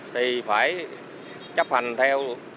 thì phải chấp hành theo